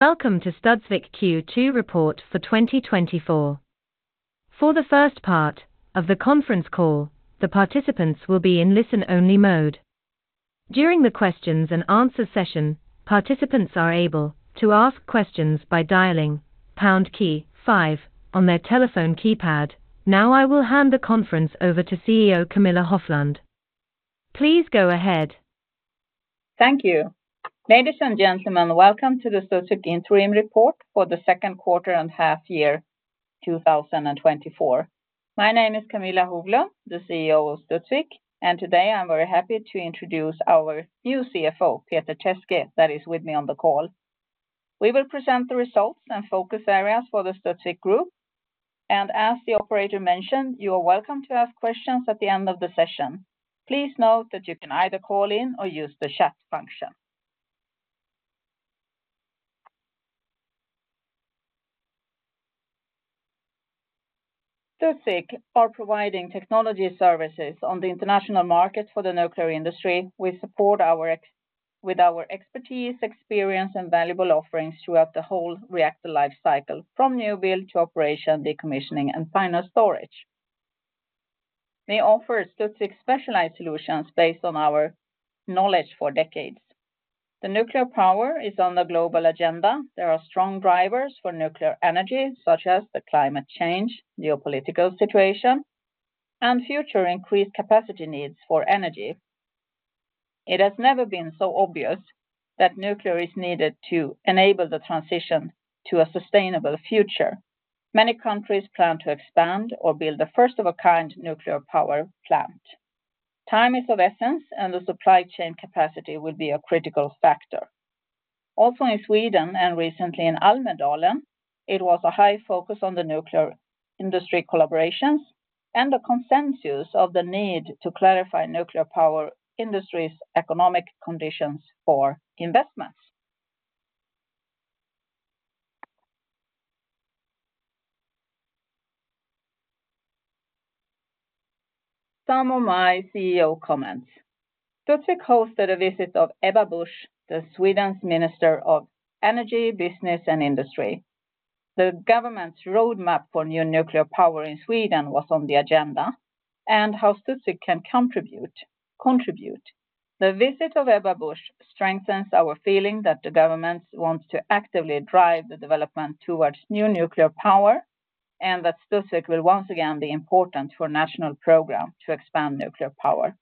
Welcome to Studsvik Q2 report for 2024. For the first part of the conference call, the participants will be in listen-only mode. During the questions and answer session, participants are able to ask questions by dialing pound key five on their telephone keypad. Now I will hand the conference over to CEO Camilla Hoflund. Please go ahead. Thank you. Ladies and gentlemen, welcome to the Studsvik interim report for the second quarter and half year 2024. My name is Camilla Hoflund, the CEO of Studsvik, and today I'm very happy to introduce our new CFO, Peter Teske, that is with me on the call. We will present the results and focus areas for the Studsvik group, and as the operator mentioned, you are welcome to ask questions at the end of the session. Please note that you can either call in or use the chat function. Studsvik are providing technology services on the international market for the nuclear industry. We support our ex- with our expertise, experience, and valuable offerings throughout the whole reactor life cycle, from new build to operation, decommissioning, and final storage. We offer Studsvik specialized solutions based on our knowledge for decades. The nuclear power is on the global agenda. There are strong drivers for nuclear energy, such as the climate change, geopolitical situation, and future increased capacity needs for energy. It has never been so obvious that nuclear is needed to enable the transition to a sustainable future. Many countries plan to expand or build a first-of-a-kind nuclear power plant. Time is of essence, and the supply chain capacity will be a critical factor. Also, in Sweden and recently in Almedalen, it was a high focus on the nuclear industry collaborations and a consensus of the need to clarify nuclear power industry's economic conditions for investments. Some of my CEO comments. Studsvik hosted a visit of Ebba Busch, Sweden’s Minister of Energy, Business, and Industry. The government's roadmap for new nuclear power in Sweden was on the agenda, and how Studsvik can contribute, contribute. The visit of Ebba Busch strengthens our feeling that the government wants to actively drive the development towards new nuclear power, and that Studsvik will once again be important for national program to expand nuclear power.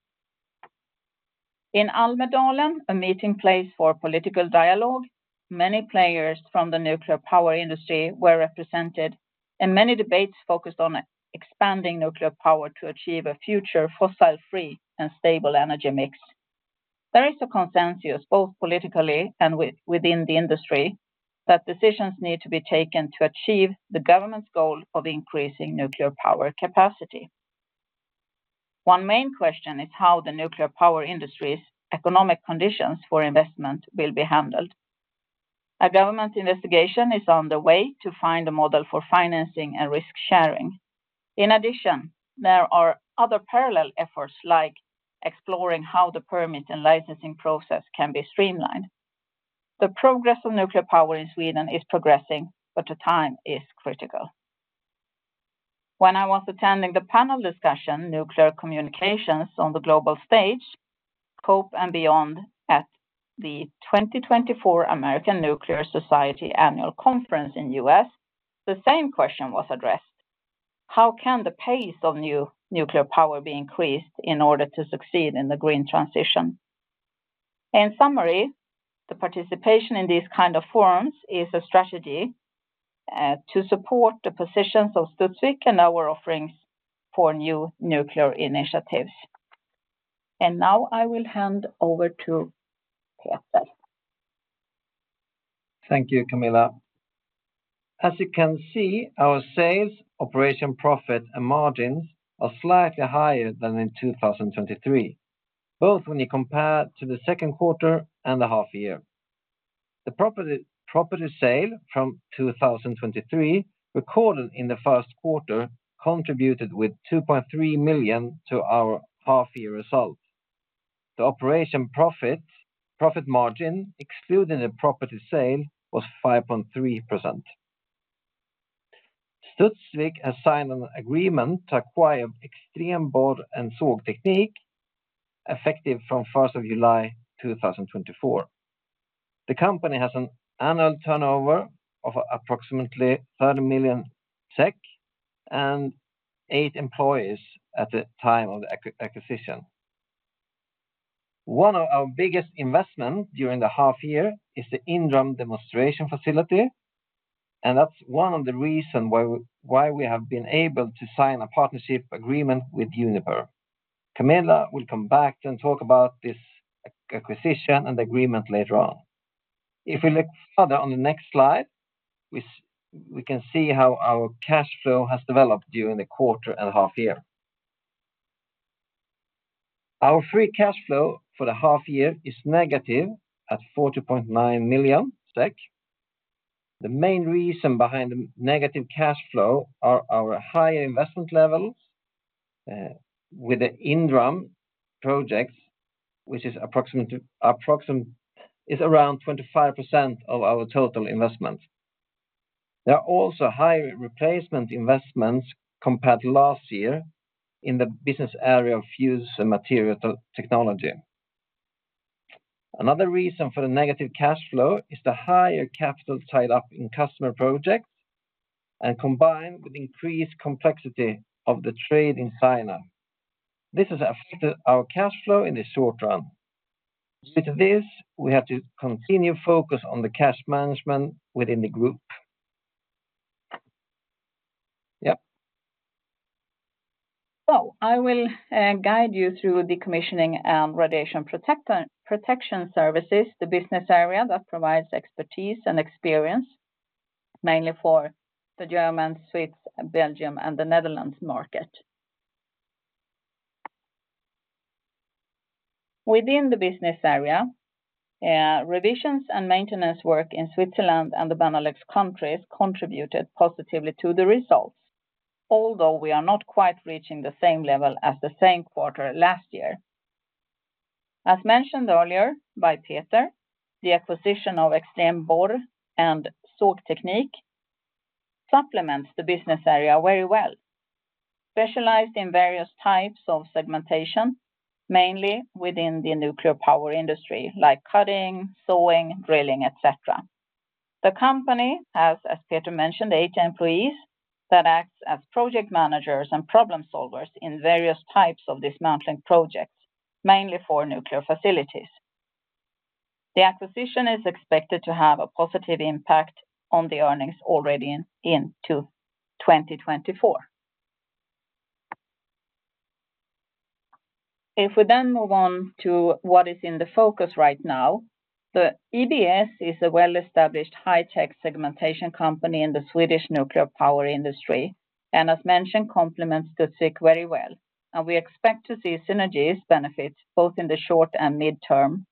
In Almedalen, a meeting place for political dialogue, many players from the nuclear power industry were represented, and many debates focused on expanding nuclear power to achieve a future fossil-free and stable energy mix. There is a consensus, both politically and within the industry, that decisions need to be taken to achieve the government's goal of increasing nuclear power capacity. One main question is how the nuclear power industry's economic conditions for investment will be handled. A government investigation is on the way to find a model for financing and risk-sharing. In addition, there are other parallel efforts, like exploring how the permit and licensing process can be streamlined. The progress of nuclear power in Sweden is progressing, but the time is critical. When I was attending the panel discussion, Nuclear Communications on the Global Stage: Scope and Beyond, at the 2024 American Nuclear Society Annual Conference in U.S., the same question was addressed: How can the pace of new nuclear power be increased in order to succeed in the green transition? In summary, the participation in these kind of forums is a strategy to support the positions of Studsvik and our offerings for new nuclear initiatives. Now I will hand over to Peter. Thank you, Camilla. As you can see, our sales, operating profit, and margins are slightly higher than in 2023, both when you compare to the second quarter and the half year. The property sale from 2023, recorded in the first quarter, contributed with 2.3 million to our half-year result. The operating profit margin, excluding the property sale, was 5.3%. Studsvik has signed an agreement to acquire Extrem Borr och Sågteknik, effective from the first of July, 2024. The company has an annual turnover of approximately 30 million SEK and 8 employees at the time of the acquisition. One of our biggest investment during the half year is the inDRUM demonstration facility, and that's one of the reason why we have been able to sign a partnership agreement with Uniper. Camilla will come back and talk about this acquisition and agreement later on. If we look further on the next slide, we can see how our cash flow has developed during the quarter and half year. Our free cash flow for the half year is negative at 40.9 million. The main reason behind the negative cash flow are our higher investment levels with the inDRUM projects, which is around 25% of our total investment. There are also higher replacement investments compared to last year in the business area of fuel and material technology. Another reason for the negative cash flow is the higher capital tied up in customer projects, and combined with increased complexity of the trade in China. This has affected our cash flow in the short run. Due to this, we have to continue to focus on the cash management within the group. Yep. So I will guide you through the commissioning and radiation protection services, the business area that provides expertise and experience, mainly for the German, Swiss, Belgium, and the Netherlands market. Within the business area, revisions and maintenance work in Switzerland and the Benelux countries contributed positively to the results, although we are not quite reaching the same level as the same quarter last year. As mentioned earlier by Peter, the acquisition of Extrem Borr och Sågteknik supplements the business area very well, specialized in various types of segmentation, mainly within the nuclear power industry, like cutting, sawing, drilling, et cetera. The company, as Peter mentioned, 8 employees, that acts as project managers and problem solvers in various types of dismantling projects, mainly for nuclear facilities. The acquisition is expected to have a positive impact on the earnings already into 2024. If we then move on to what is in the focus right now, the EBS is a well-established, high-tech segmentation company in the Swedish nuclear power industry, and as mentioned, complements the Studsvik very well. We expect to see synergies benefits both in the short and midterm.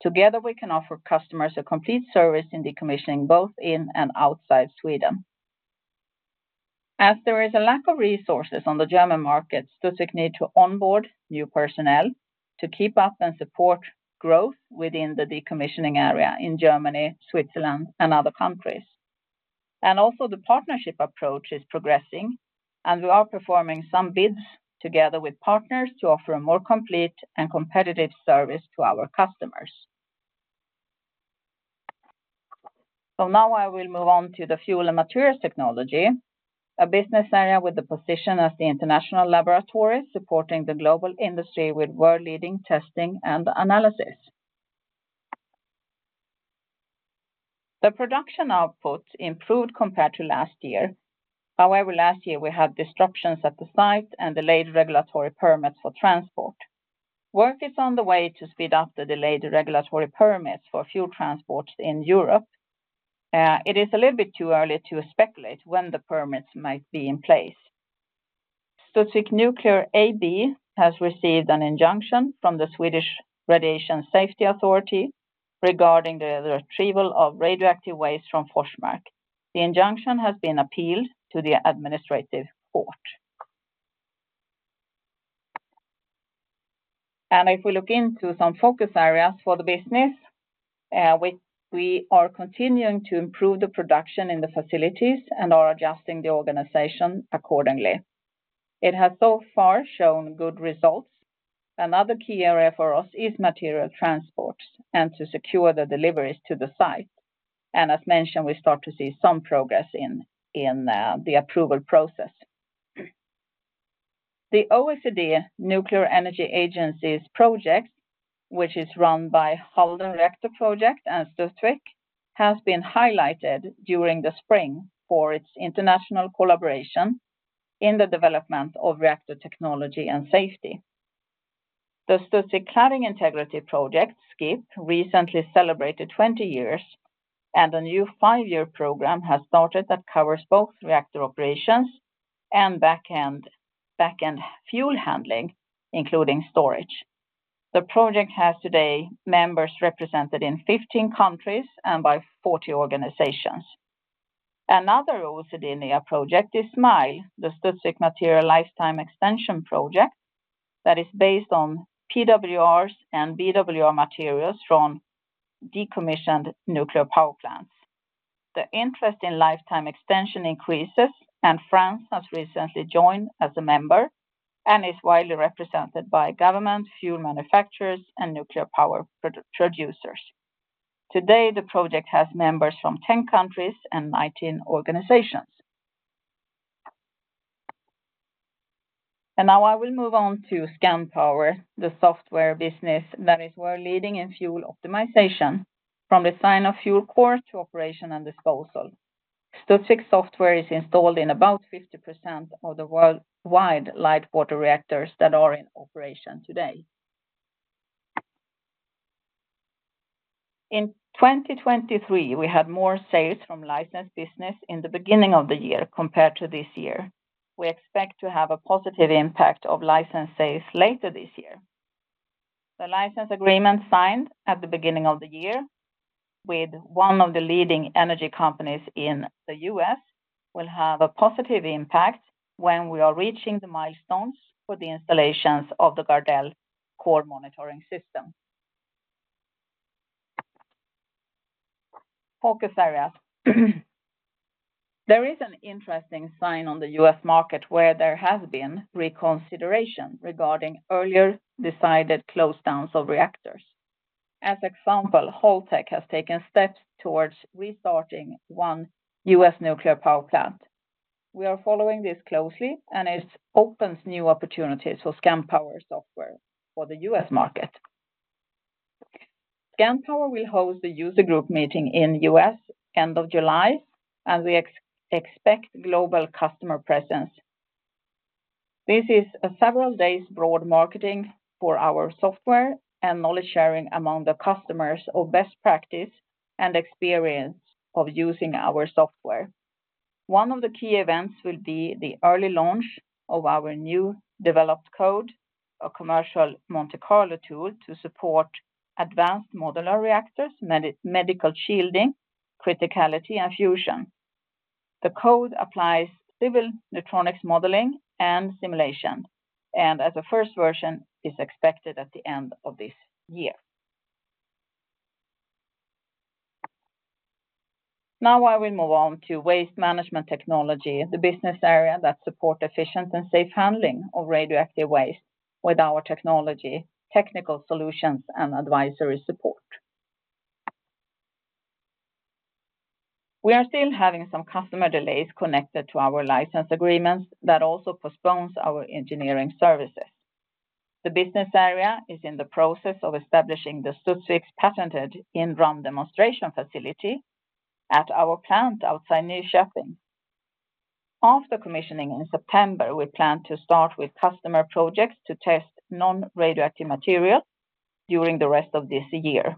Together, we can offer customers a complete service in decommissioning, both in and outside Sweden. As there is a lack of resources on the German markets, Studsvik needs to onboard new personnel to keep up and support growth within the decommissioning area in Germany, Switzerland, and other countries. The partnership approach is progressing, and we are performing some bids together with partners to offer a more complete and competitive service to our customers. Now I will move on to the fuel and materials technology, a business area with the position as the international laboratory, supporting the global industry with world-leading testing and analysis. The production output improved compared to last year. However, last year, we had disruptions at the site and delayed regulatory permits for transport. Work is on the way to speed up the delayed regulatory permits for fuel transports in Europe. It is a little bit too early to speculate when the permits might be in place. Studsvik Nuclear AB has received an injunction from the Swedish Radiation Safety Authority regarding the retrieval of radioactive waste from Forsmark. The injunction has been appealed to the administrative court. If we look into some focus areas for the business, we are continuing to improve the production in the facilities and are adjusting the organization accordingly. It has so far shown good results. Another key area for us is material transport and to secure the deliveries to the site. As mentioned, we start to see some progress in the approval process. The OECD Nuclear Energy Agency's project, which is run by Halden Reactor Project and Studsvik, has been highlighted during the spring for its international collaboration in the development of reactor technology and safety. The Studsvik Cladding Integrity Project, SCIP, recently celebrated 20 years, and a new five-year program has started that covers both reactor operations and back-end fuel handling, including storage. The project has today members represented in 15 countries and by 40 organizations. Another OECD-NEA project is SMILE, the Studsvik Material Lifetime Extension Project, that is based on PWRs and BWR materials from decommissioned nuclear power plants. The interest in lifetime extension increases, and France has recently joined as a member and is widely represented by government, fuel manufacturers, and nuclear power producers. Today, the project has members from 10 countries and 19 organizations. Now I will move on to Scandpower, the software business that is world-leading in fuel optimization, from design of fuel core to operation and disposal. Studsvik software is installed in about 50% of the worldwide light water reactors that are in operation today. In 2023, we had more sales from license business in the beginning of the year compared to this year. We expect to have a positive impact of license sales later this year. The license agreement signed at the beginning of the year with one of the leading energy companies in the U.S., will have a positive impact when we are reaching the milestones for the installations of the GARDEL core monitoring system. Focus areas. There is an interesting sign on the U.S. market where there has been reconsideration regarding earlier decided close-downs of reactors. As example, Holtec has taken steps towards restarting one U.S. nuclear power plant. We are following this closely, and it opens new opportunities for Scandpower software for the U.S. market. Scandpower will host the user group meeting in U.S., end of July, and we expect global customer presence. This is a several days broad marketing for our software and knowledge-sharing among the customers of best practice and experience of using our software. One of the key events will be the early launch of our new developed code, a commercial Monte Carlo tool to support advanced modular reactors, medical shielding, criticality, and fusion. The code applies civil electronics modeling and simulation, and as a first version, is expected at the end of this year. Now, I will move on to waste management technology, the business area that support efficient and safe handling of radioactive waste with our technology, technical solutions, and advisory support. We are still having some customer delays connected to our license agreements that also postpones our engineering services. The business area is in the process of establishing Studsvik's patented inDRUM demonstration facility at our plant outside Nyköping. After commissioning in September, we plan to start with customer projects to test non-radioactive material during the rest of this year.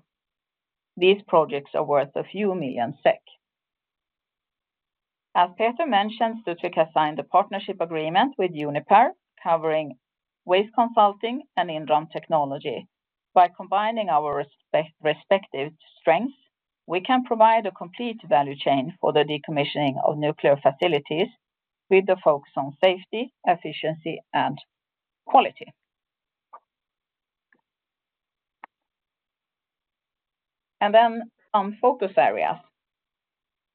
These projects are worth a few million SEK. As Peter mentioned, Studsvik has signed a partnership agreement with Uniper, covering waste consulting and inDRUM technology. By combining our respective strengths, we can provide a complete value chain for the decommissioning of nuclear facilities, with the focus on safety, efficiency, and quality. Then on focus areas.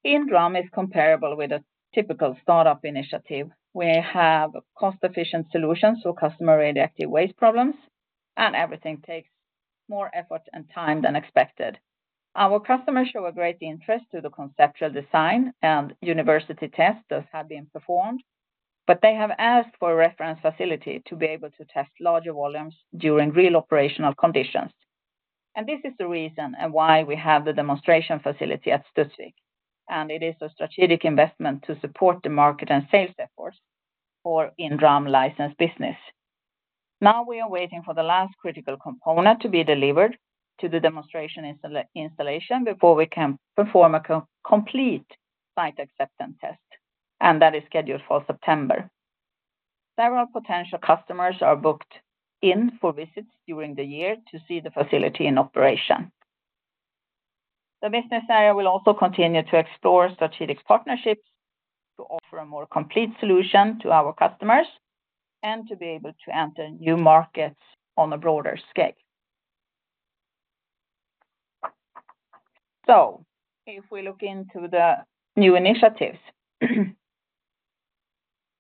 inDRUM is comparable with a typical startup initiative, where you have cost-efficient solutions to customer radioactive waste problems, and everything takes more effort and time than expected. Our customers show a great interest to the conceptual design and university tests that have been performed, but they have asked for a reference facility to be able to test larger volumes during real operational conditions. This is the reason and why we have the demonstration facility at Studsvik, and it is a strategic investment to support the market and sales efforts for inDRUM license business. Now, we are waiting for the last critical component to be delivered to the demonstration installation before we can perform a complete site acceptance test, and that is scheduled for September. Several potential customers are booked in for visits during the year to see the facility in operation. The business area will also continue to explore strategic partnerships to offer a more complete solution to our customers and to be able to enter new markets on a broader scale. So if we look into the new initiatives,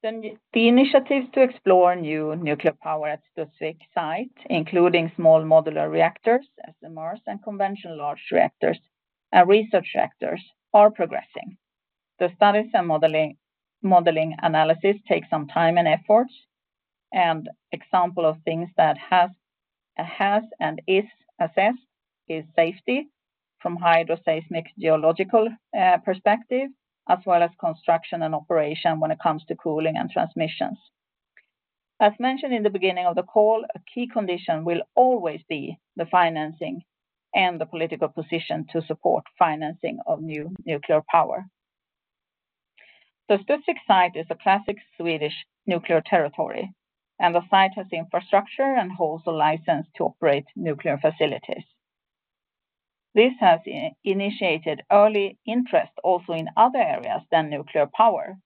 then the initiatives to explore new nuclear power at Studsvik site, including small modular reactors, SMRs, and conventional large reactors and research reactors, are progressing. The studies and modeling analysis take some time and effort, and example of things that has and is assessed is safety from hydroseismic geological perspective, as well as construction and operation when it comes to cooling and transmissions. As mentioned in the beginning of the call, a key condition will always be the financing and the political position to support financing of new nuclear power. The Studsvik site is a classic Swedish nuclear territory, and the site has the infrastructure and holds a license to operate nuclear facilities. This has initiated early interest also in other areas than nuclear power,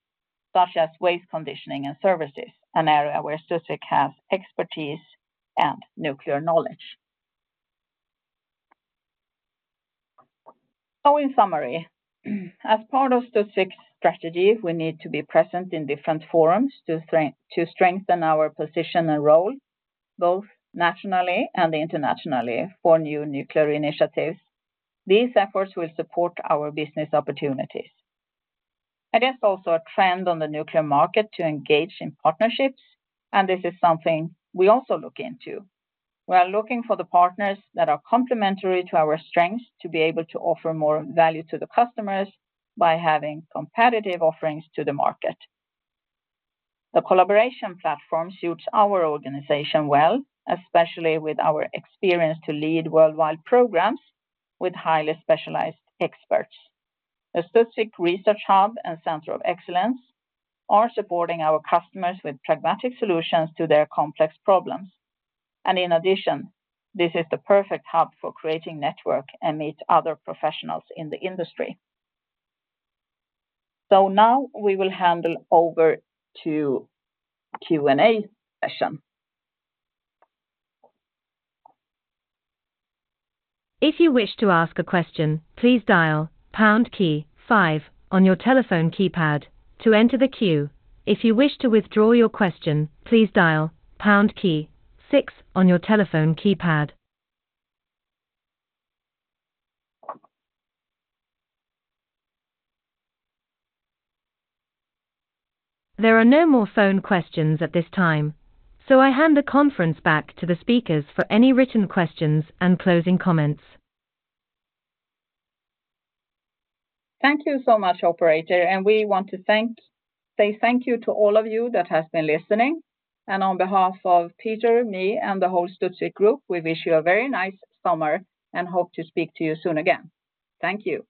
such as waste conditioning and services, an area where Studsvik has expertise and nuclear knowledge. So in summary, as part of Studsvik's strategy, we need to be present in different forums to strengthen our position and role, both nationally and internationally, for new nuclear initiatives. These efforts will support our business opportunities. I guess, also a trend on the nuclear market to engage in partnerships, and this is something we also look into. We are looking for the partners that are complementary to our strengths to be able to offer more value to the customers by having competitive offerings to the market. The collaboration platform suits our organization well, especially with our experience to lead worldwide programs with highly specialized experts. The Studsvik Research Hub and Center of Excellence are supporting our customers with pragmatic solutions to their complex problems. And in addition, this is the perfect hub for creating network and meet other professionals in the industry. So now we will hand it over to Q&A session. If you wish to ask a question, please dial pound key five on your telephone keypad to enter the queue. If you wish to withdraw your question, please dial pound key six on your telephone keypad. There are no more phone questions at this time, so I hand the conference back to the speakers for any written questions and closing comments. Thank you so much, operator, and we want to say thank you to all of you that has been listening. On behalf of Peter, me, and the whole Studsvik group, we wish you a very nice summer and hope to speak to you soon again. Thank you.